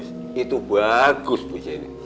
baru baru nggak ada bangat tuh